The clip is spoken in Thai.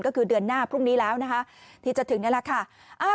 ก็คือเดือนหน้าพรุ่งนี้แล้วนะคะที่จะถึงนี่แหละค่ะ